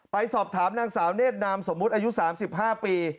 ไปสอบถามนางสาวเนธนามสมมุติอายุ๓๕ปี